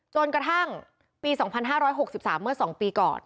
จนกระทั่งปีสองพันห้าร้อยหกสิบสามเมื่อสองปีก่อน